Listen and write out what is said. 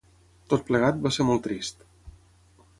Tot plegat, va ser molt trist.